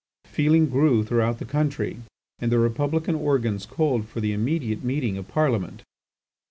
Feeling grew throughout the country, and the republican organs called for the immediate meeting of Parliament.